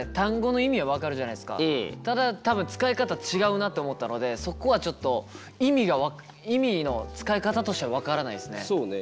ただ多分使い方違うなって思ったのでそこはちょっと意味の使い方としては分からないですね。